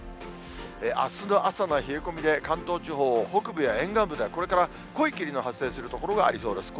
あすの朝の冷え込みで、関東地方、北部や沿岸部ではこれから濃い霧の発生する所がありそうです。